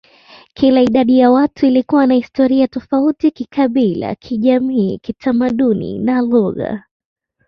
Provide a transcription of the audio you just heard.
Kila idadi ya watu ilikuwa na historia tofauti kikabila, kijamii, kitamaduni, na lugha.